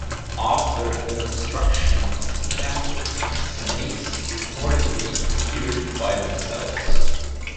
After the construction of the temple, snakes reportedly appeared by themselves.